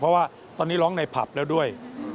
เพราะว่าตอนนี้ร้องในผับแล้วด้วย